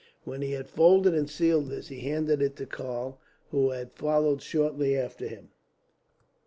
When he had folded and sealed this, he handed it to Karl, who had followed shortly after him.